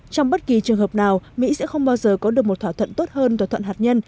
trong bất kỳ trường hợp nào mỹ sẽ không bao giờ có được một thỏa thuận tốt hơn thỏa thuận hạt nhân